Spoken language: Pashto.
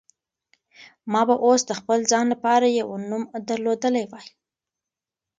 ما به اوس د خپل ځان لپاره یو نوم درلودلی وای.